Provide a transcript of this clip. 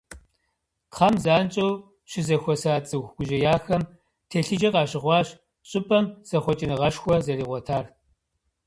Кхъэм занщӏэу щызэхуэса цӏыху гужьеяхэм телъыджэ къащыхъуащ щӏыпӏэм зэхъуэкӏыныгъэшхуэ зэригъуэтар.